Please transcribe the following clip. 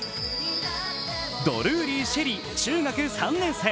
ドルーリー朱瑛里、中学３年生。